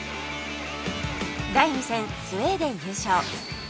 第２戦スウェーデン優勝